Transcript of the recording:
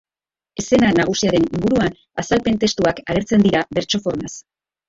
Eszena nagusiaren inguruan, azalpen-testuak agertzen dira bertso-formaz.